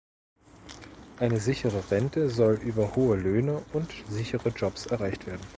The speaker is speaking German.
Eine sichere Rente soll über hohe Löhne und sichere Jobs erreicht werden.